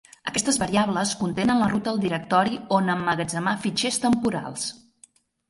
Aquestes variables contenen la ruta al directori on emmagatzemar fitxers temporals.